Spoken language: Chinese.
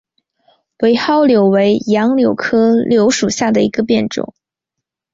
伪蒿柳为杨柳科柳属下的一个变种。